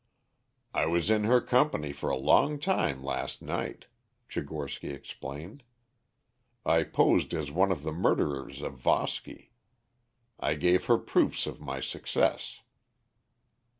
"I was in her company for a long time last night," Tchigorsky explained. "I posed as one of the murderers of Voski; I gave her proofs of my success."